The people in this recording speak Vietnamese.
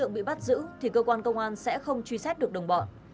bị bắt giữ thì cơ quan công an sẽ không truy xét được đồng bọn